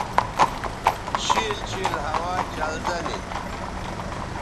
شِیل شِیل ہوا چلزہ نی